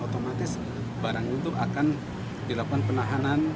otomatis barang itu akan dilakukan penahanan